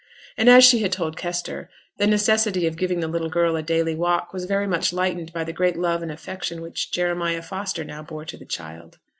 And, as she had told Kester, the necessity of giving the little girl a daily walk was very much lightened by the great love and affection which Jeremiah Foster now bore to the child.